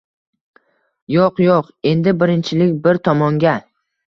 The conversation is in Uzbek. Yo‘q yoq’. Endi birinchilik bir tomonga